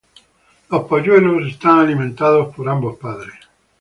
Los polluelos son alimentados por ambos padres.